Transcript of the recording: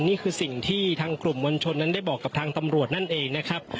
นี่คือสิ่งที่ทางกลุ่มมวลชนนั้นได้บอกกับทางตำรวจนั่นเองนะครับ